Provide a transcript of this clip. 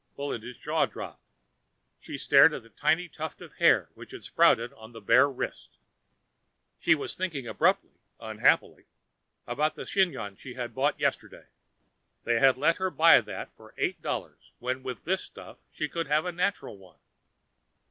Melinda's jaw dropped. She stared at the tiny tuft of hair which had sprouted on that bare wrist. She was thinking abruptly, unhappily, about that chignon she had bought yesterday. They had let her buy that for eight dollars when with this stuff she could have a natural one.